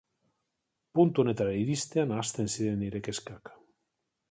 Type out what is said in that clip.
Puntu honetara iristean hasten ziren nire kezkak.